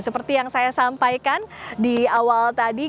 seperti yang saya sampaikan di awal tadi